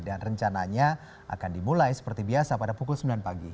dan rencananya akan dimulai seperti biasa pada pukul sembilan pagi